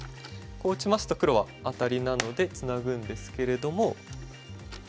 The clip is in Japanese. こう打ちますと黒はアタリなのでツナぐんですけれども。